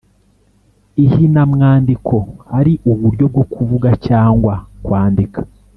ihinamwandiko ari uburyo bwo kuvuga cyangwa kwandika